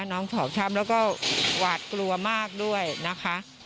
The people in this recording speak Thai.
น้องถอบช้ำแล้วก็หวาดกลัวมากด้วยนะคะ